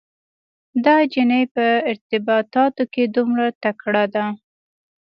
دا انجلۍ په ارتباطاتو کې دومره تکړه ده.